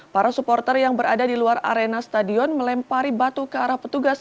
para supporter yang berada di luar arena stadion melempari batu ke arah petugas